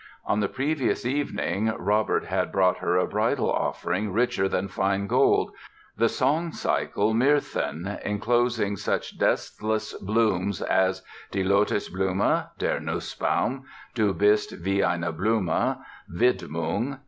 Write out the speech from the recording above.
On the previous evening Robert had brought her a bridal offering richer than fine gold—the song cycle, "Myrthen", inclosing such deathless blooms as "Die Lotosblume", "Der Nussbaum", "Du bist wie eine Blume", "Widmung".